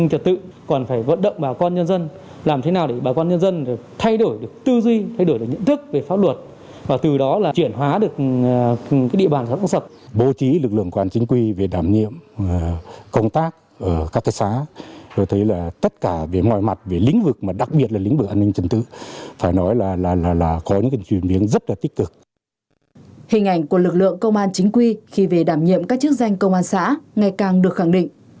hình ảnh của lực lượng công an chính quy khi về đảm nhiệm các chức danh công an xã ngày càng được khẳng định